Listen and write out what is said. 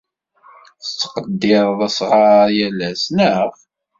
Tettqeddired asɣar yal ass, naɣ?